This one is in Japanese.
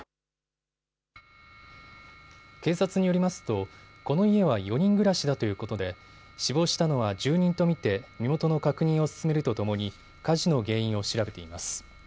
警察によりますと、この家は４人暮らしだということで死亡したのは住人と見て身元の確認を進めるとともに火事の原因を調べています。